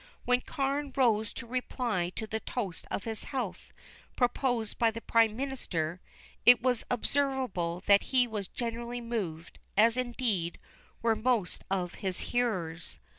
When Carne rose to reply to the toast of his health, proposed by the Prime Minister, it was observable that he was genuinely moved, as, indeed, were most of his hearers.